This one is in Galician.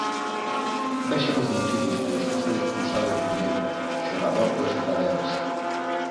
Vexan os motivos polos que foi expulsado Piñeiro, xogador do Estradense.